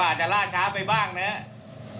อาจจะล่าช้าไปบ้างนะครับ